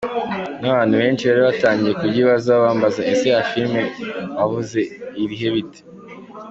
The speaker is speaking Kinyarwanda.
N’abantu benshi bari batangiye kubyibazaho bambaza ese ya filime wavuze irihe bite?.